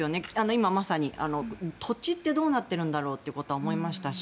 今まさに、土地ってどうなっているんだろうってことは思いましたし